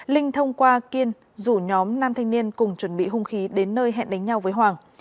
linh thông qua kiên rủ nhóm nam thanh niên cùng chuẩn bị hung khí đến nơi hẹn đánh nhau với hoàng